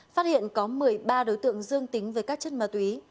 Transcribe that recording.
phát hiện có một mươi ba đối tượng dương tính với các chất ma túy